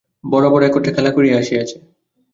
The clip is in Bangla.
বরাবর একত্রে খেলা করিয়া আসিয়াছে।